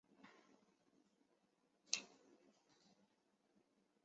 萨达姆侯赛因命令他的安全部队和军队实施了对该村的报复性攻击。